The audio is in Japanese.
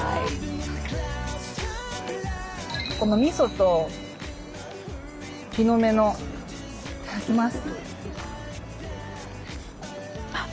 このみそと木の芽のいただきます。